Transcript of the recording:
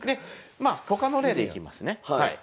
まあ他の例でいきますね。